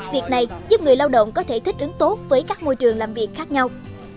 việc này giúp người lao động có thể thích ứng tốt với các môi trường làm việc khác nhau